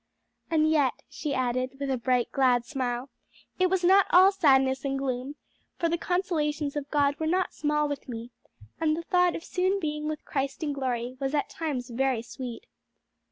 "And yet," she added with a bright, glad smile, "it was not all sadness and gloom; for the consolations of God were not small with me, and the thought of soon being with Christ in glory was at times very sweet."